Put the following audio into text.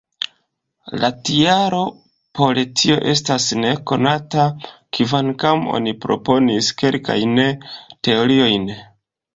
La tialo por tio estas nekonata, kvankam oni proponis kelkajn teoriojn.